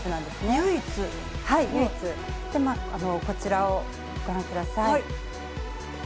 こちらをご覧ください。